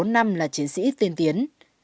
một mươi bốn năm là chiến sĩ tiên tiến